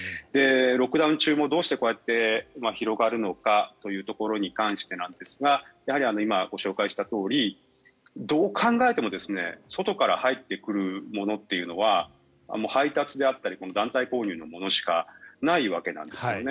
ロックダウン中もどうしてこうやって広がるのかというところに関してなんですがやはり今、ご紹介したとおりどう考えても外から入ってくるものというのは配達であったり団体購入のものしかないわけなんです。